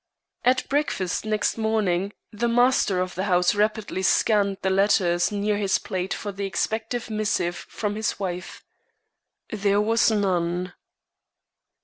At breakfast next morning the master of the house rapidly scanned the letters near his plate for the expected missive from his wife. There was none.